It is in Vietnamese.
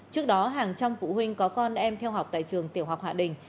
trước đó hàng trăm phụ huynh có con em theo học tại trường tiểu học hạ đình